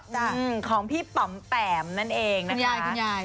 อืมของพี่ปำแป๋มนั่นเองนะคะคุณยาย